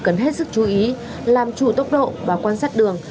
cần hết sức chú ý làm chủ tốc độ và quan sát đường